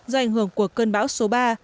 do ảnh hưởng của cơn bão số ba